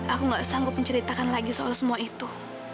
aku gak sanggup menceritakan lagi soal semua itu